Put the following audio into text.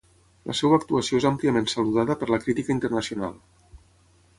La seva actuació és àmpliament saludada per la crítica internacional.